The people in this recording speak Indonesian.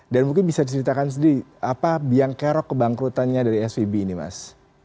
dan mungkin bisa diseritakan sendiri apa yang kerok kebangkrutannya dari svb ini mas